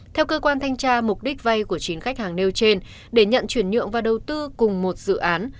theo cơ quan thanh tra mục đích vay của chín khách hàng nêu trên để nhận chuyển nhượng và đầu tư cùng một dự án